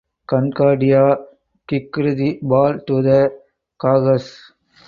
Concordia kicked the ball to the Cougars.